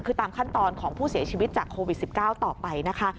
คือตามขั้นตอนของผู้เสียชีวิตจากโควิด๑๙ต่อไปนะคะ